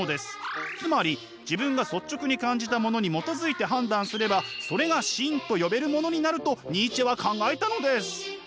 つまり自分が率直に感じたものに基づいて判断すればそれが芯と呼べるものになるとニーチェは考えたのです！